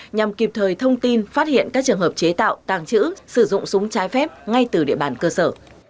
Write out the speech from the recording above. nhằm kịp thời thông tin phát hiện các trường hợp chế tạo tàng trữ sử dụng súng trái phép ngay từ địa bàn cơ sở